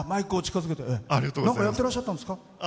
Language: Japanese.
なんかやってらっしゃったんですか？